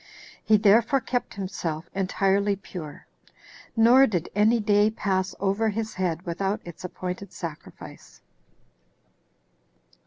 He therefore kept himself entirely pure; nor did any day pass over his head without its appointed sacrifice.